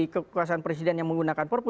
kekuasaan presiden yang menggunakan perpu